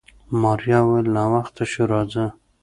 ماريا وويل ناوخته شو راځه.